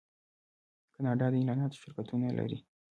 کاناډا د اعلاناتو شرکتونه لري.